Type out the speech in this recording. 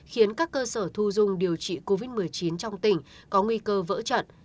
khiến các cơ sở thu dung điều trị covid một mươi chín trong tỉnh có nguy cơ vỡ trận